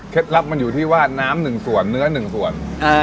เคล็ดลับมันอยู่ที่ว่าน้ำหนึ่งส่วนเนื้อหนึ่งส่วนเอออ่า